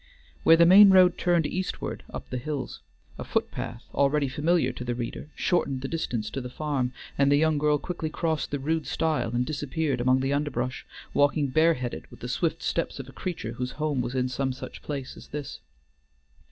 Where the main road turned eastward up the hills, a footpath, already familiar to the reader, shortened the distance to the farm, and the young girl quickly crossed the rude stile and disappeared among the underbrush, walking bareheaded with the swift steps of a creature whose home was in some such place as this.